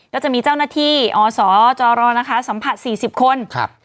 ก็จะมีเจ้าหน้าที่อศจรรนะคะสัมผัส๔๐คนครับ